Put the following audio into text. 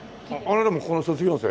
あなたもここの卒業生？